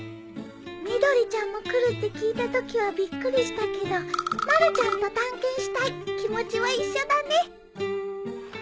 みどりちゃんも来るって聞いたときはびっくりしたけど「まるちゃんと探検し隊」気持ちは一緒だね